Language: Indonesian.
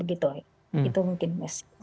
itu mungkin masih cermati